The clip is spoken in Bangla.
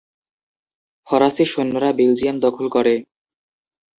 ফরাসী সৈন্যরা বেলজিয়াম দখল করে।